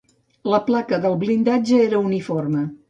La placa del blindatge era uniforme.